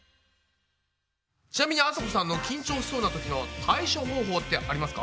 ちなみにあさこさんの緊張しそうなときの対処方法ってありますか？